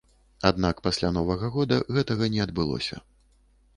Аднак пасля новага года гэтага не адбылося.